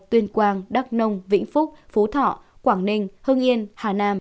tuyên quang đắk nông vĩnh phúc phú thọ quảng ninh hưng yên hà nam